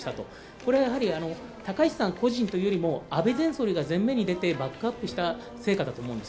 これは、やはり高市さん個人というよりも安倍前総理が前面に出てバックアップした成果だと思うんです。